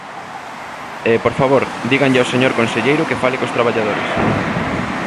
E, por favor, díganlle ao señor conselleiro que fale cos traballadores.